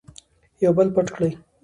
یو بل پټ کړئ.